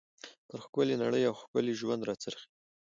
پر ښکلى نړۍ او ښکلي ژوند را څرخي.